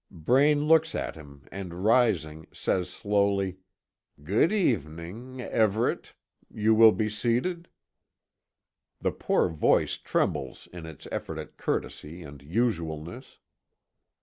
Braine looks at him and rising, says slowly: "Good evening Everet. You will be seated?" The poor voice trembles in its effort at courtesy and usualness.